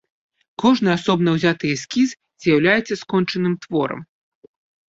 Кожны асобна ўзяты эскіз з'яўляецца скончаным творам.